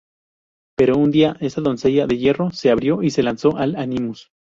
Pero, un día, esa doncella de hierro se abrió y se lanzó el Animus.